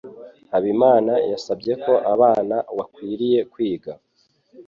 Habimana yasabye ko abana wakwiriye kwiga